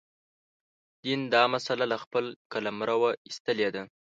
دین دا مسأله له خپل قلمروه ایستلې ده.